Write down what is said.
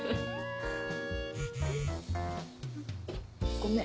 ごめん。